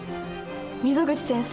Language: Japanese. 溝口先生